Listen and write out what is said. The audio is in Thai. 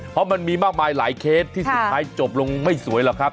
เพราะมันมีมากมายหลายเคสที่สุดท้ายจบลงไม่สวยหรอกครับ